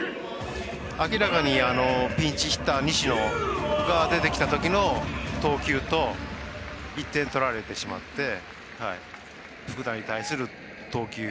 明らかに、ピンチヒッター西野が出てきたときの投球と、１点取られてしまって福田に対する投球